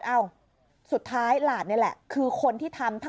เอ้าสุดท้ายหลานนี่แหละคือคนที่ทำ